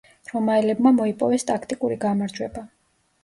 რომაელებმა მოიპოვეს ტაქტიკური გამარჯვება.